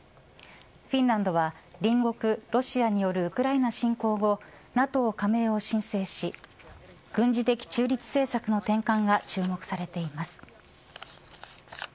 フィンランドは隣国ロシアによるウクライナ侵攻後ＮＡＴＯ加盟を申請し軍事的中立政策の転換が注目されています。